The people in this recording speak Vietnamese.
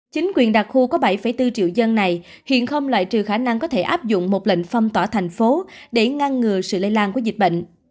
chính quyền đặc khu có bảy bốn triệu dân này hiện không loại trừ khả năng có thể áp dụng một lệnh phong tỏa thành phố để ngăn ngừa sự lây lan của dịch bệnh